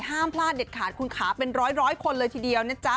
ห้ามพลาดเด็ดขาดคุณขาเป็นร้อยคนเลยทีเดียวนะจ๊ะ